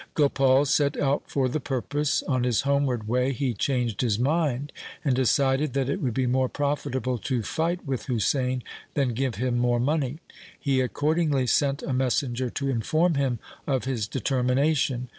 Gopal set out for the purpose. On his homeward way he changed his mind, and decided that it would be more profitable to fight with Husain than give him more money. He accord ingly sent a messenger to inform him of his deter mination.